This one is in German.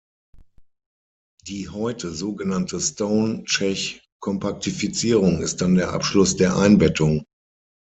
Die heute so genannte Stone–Čech-Kompaktifizierung ist dann der Abschluss der Einbettung.